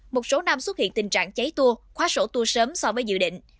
một số năm xuất hiện tình trạng cháy tour khóa sổ tour sớm so với dự định